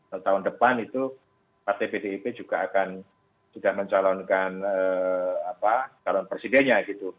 atau tahun depan itu partai pdip juga akan sudah mencalonkan calon presidennya gitu